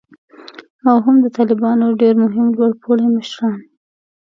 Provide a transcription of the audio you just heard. او هم د طالبانو ډیر مهم لوړ پوړي مشران